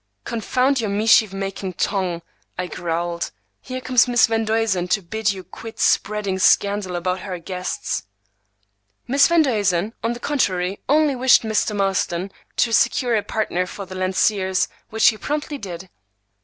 "Confound your mischief making tongue!" I growled. "Here comes Miss Van Duzen to bid you quit spreading scandal about her guests." Miss Van Duzen, on the contrary, only wished Mr. Marston to secure a partner for the Lanciers, which he promptly did.